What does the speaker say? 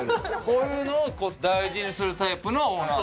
こういうのを大事にするタイプのオーナーさん。